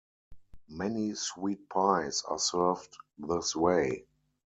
Many sweet pies are served this way.